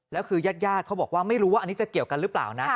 แล้วคือญาติเขาบอกว่าไม่รู้ว่าอันนี้จะเกี่ยวกันหรือเปล่านะ